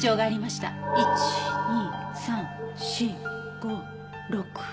１２３４５６。